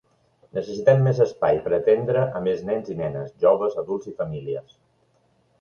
Necessitem més espai per atendre a més nens i nenes, joves, adults i famílies.